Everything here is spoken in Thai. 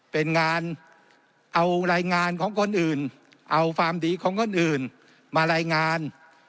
เป็นงานเอารายงานของคนอื่นเอาความดีของคนอื่นมารายงาน